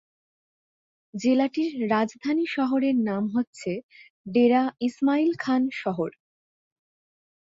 জেলাটির রাজধানী শহরের নাম হচ্ছে ডেরা ইসমাইল খান শহর।